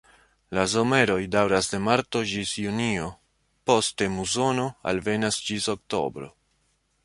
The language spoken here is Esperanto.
La someroj daŭras de marto ĝis junio, poste musono alvenas ĝis oktobro.